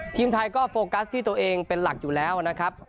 ทีมไทยก็โฟกัสที่ตัวเองเป็นหลักอยู่แล้วนะครับ